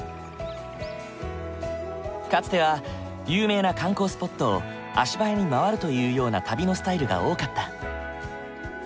かつては有名な観光スポットを足早に回るというような旅のスタイルが多かった。